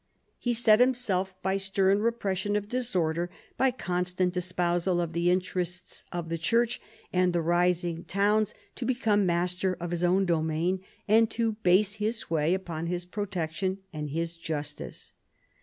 He set himself, by stern repression of disorder, by constant espousal of the interests of the Church and the rising towns, to become master of his own domain and to base his sway upon his protection and his justice.